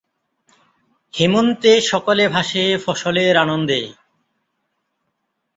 হেমন্তে সকলে ভাসে ফসলের আনন্দে।